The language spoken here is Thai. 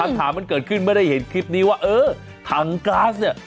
ฐานมันเกิดขึ้นไม่ได้เห็นคลิปนี้ว่าเออถังก๊าซเนี่ย